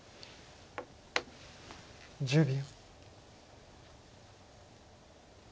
１０秒。